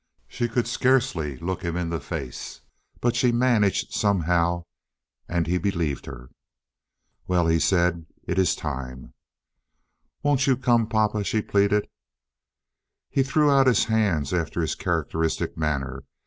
She could scarcely look him in the face, but she managed somehow, and he believed her. "Well," he said, "it is time." "Won't you come, papa?" she pleaded. He threw out his hands after his characteristic manner.